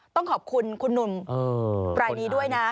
ต้องขอบคุณคุณหนุ่มรายนี้ด้วยนะ